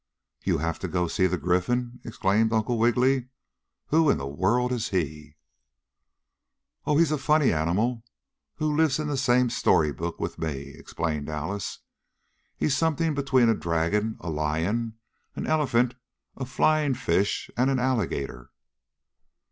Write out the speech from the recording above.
"You have to go see the Gryphon?" exclaimed Uncle Wiggily. "Who in the world is he?" "Oh, he's a funny animal who lives in the same story book with me," explained Alice. "He's something between a dragon, a lion, an elephant, a flying fish and an alligator."